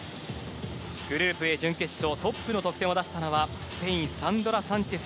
グループＡ準決勝トップの得点を出したのは、スペイン、サンドラ・サンチェス。